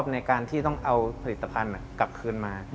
ในการที่ต้องเอาผลิตภัณฑ์กลับคืนมา